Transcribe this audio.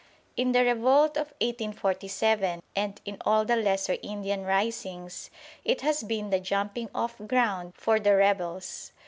In the revolt of 1847 and in all the lesser Indian risings it has been the jumping off ground for the rebels.